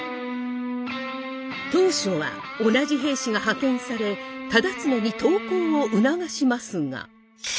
当初は同じ平氏が派遣され忠常に投降を促しますが。